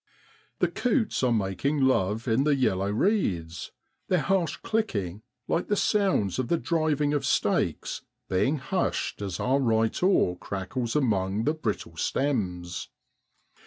The coots are making love in the yellow reeds, their harsh clicking, like the sounds of the driving of stakes, being hushed as our right oar crackles among the brittle stems.